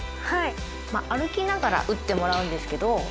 歩きながら打ってもらうんですけど。